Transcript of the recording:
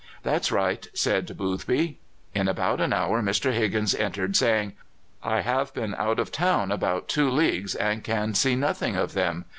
"That's right," said Boothby. In about an hour Mr. Higgins entered, saying, "I have been out of town above two leagues and can see nothing of them.